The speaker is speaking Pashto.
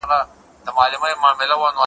غوړه مړۍ مي د خورکۍ ترستوني نه رسیږي `